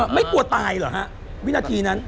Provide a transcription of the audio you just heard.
ไม่กลัวตายเหรอฮะวินาทีนั้น